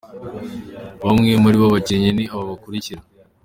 Bamwe muri abo bakinnyi ni aba bakurikira:.